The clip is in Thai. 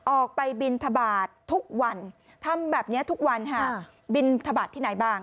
ออกไปบินทบาททุกวันทำแบบนี้ทุกวันค่ะบินทบาทที่ไหนบ้าง